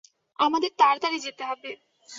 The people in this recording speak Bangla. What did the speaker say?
আমাদের তাড়াতাড়ি যেতে হবে।